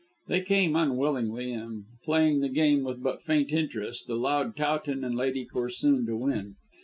They came unwillingly, and playing the game with but faint interest, allowed Towton and Lady Corsoon to win.